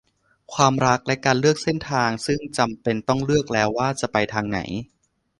ความรักและการเลือกเส้นทางซึ่งจำเป็นต้องเลือกแล้วว่าจะไปทางไหน